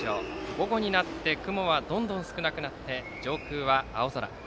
午後になって雲はどんどん少なくなって上空は青空。